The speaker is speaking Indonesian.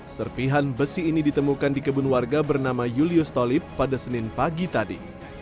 serpihan besi ini ditemukan di kebun warga bernama julius tolip pada senin pagi tadi